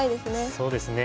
そうですね。